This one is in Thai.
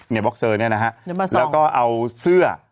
บ็อกเซอร์เนี่ยนะฮะแล้วก็เอาเสื้อ